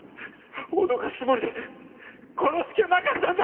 脅かすつもりで殺す気はなかったんだ。